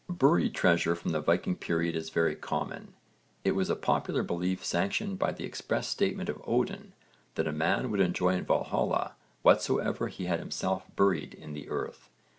Buried treasure from the Viking period is very common. It was a popular belief, sanctioned by the express statement of Odin, that a man would enjoy in Valhalla whatsoever he had himself buried in the earth.